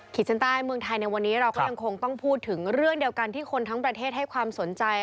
ชั้นใต้เมืองไทยในวันนี้เราก็ยังคงต้องพูดถึงเรื่องเดียวกันที่คนทั้งประเทศให้ความสนใจ